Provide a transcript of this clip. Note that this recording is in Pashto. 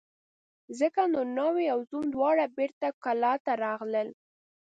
ځکه نو ناوې او زوم دواړه بېرته کلاه ته راغلل.